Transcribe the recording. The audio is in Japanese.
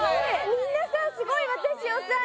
みんなさすごい私をさ何？